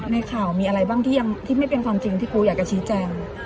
ในข่าวมีอะไรบ้างที่ไม่เป็นความจริงที่ครูอยากจะชี้แจง